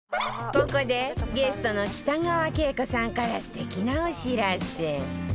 ここでゲストの北川景子さんから素敵なお知らせ